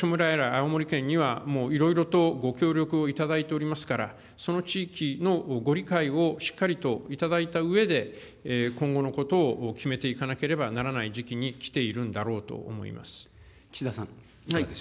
青森県には、もういろいろとご協力をいただいておりますから、その地域のご理解をしっかりといただいたうえで、今後のことを決めていかなければならない時期に来ているんだろうと思います。